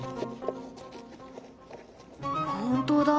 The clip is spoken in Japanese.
本当だ。